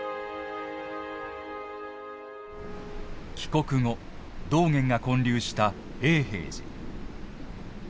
帰国後、道元が建立した永平寺。